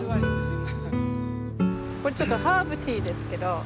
これちょっとハーブティーですけど。